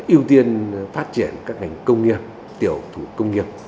ưu tiên phát triển các ngành công nghiệp tiểu thủ công nghiệp